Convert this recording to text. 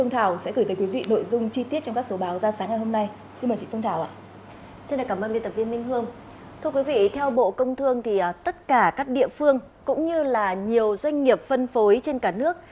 thưa quý vị theo bộ công thương thì tất cả các địa phương cũng như là nhiều doanh nghiệp phân phối trên cả nước